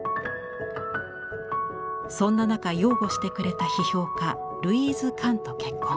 そんな中擁護してくれた批評家ルイーズ・カンと結婚。